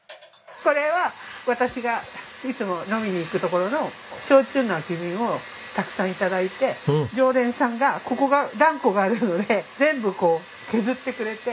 これは私がいつも飲みに行くところの焼酎の空き瓶をたくさん頂いて常連さんがここが段こがあるので全部こう削ってくれて。